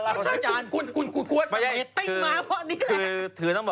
ปลาหมึกแท้เต่าทองอร่อยทั้งชนิดเส้นบดเต็มตัว